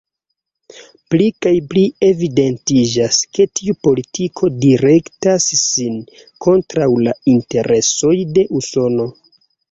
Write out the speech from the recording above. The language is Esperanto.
Pli kaj pli evidentiĝas, ke tiu politiko direktas sin kontraŭ la interesoj de Usono.